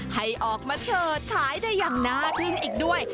ให้ออกมาเฉิดฉายได้อย่างน่าทิ้งอีกด้วย